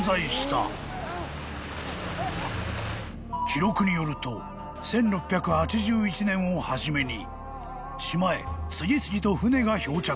［記録によると１６８１年をはじめに島へ次々と船が漂着］